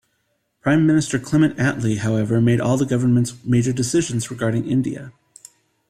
Prime Minister Clement Attlee, however, made all the government's major decisions regarding India.